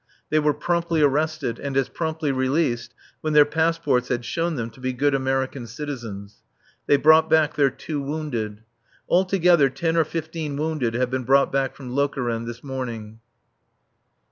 They were promptly arrested and as promptly released when their passports had shown them to be good American citizens. They brought back their two wounded. Altogether, ten or fifteen wounded have been brought back from Lokeren this morning.